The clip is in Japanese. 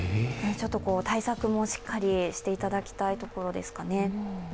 対策もしっかりしていただきたいところですかね。